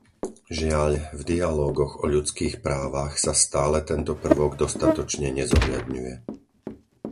Žiaľ v dialógoch o ľudských právach sa stále tento prvok dostatočne nezohľadňuje.